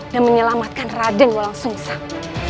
dan menyelamatkan raden wolong sungsang